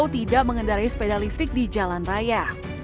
tidak mengendarai sepeda listrik di jalan raya